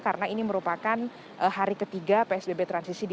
karena ini merupakan hari ketiga psbb transisi dibuka